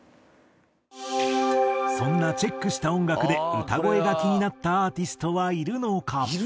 そんなチェックした音楽で歌声が気になったアーティストはいるのか？